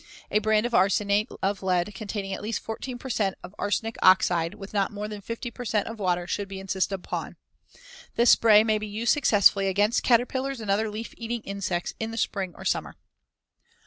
A brand of arsenate of lead containing at least 14 per cent of arsenic oxide with not more than 50 per cent of water should be insisted upon. This spray may be used successfully against caterpillars and other leaf eating insects in the spring or summer.